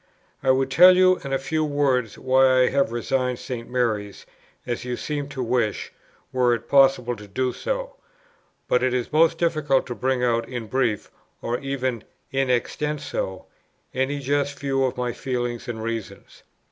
I would tell you in a few words why I have resigned St. Mary's, as you seem to wish, were it possible to do so. But it is most difficult to bring out in brief, or even in extenso, any just view of my feelings and reasons.